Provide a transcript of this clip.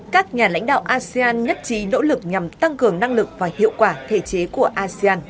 các nhà lãnh đạo asean nhất trí nỗ lực nhằm tăng cường năng lực và hiệu quả thể chế của asean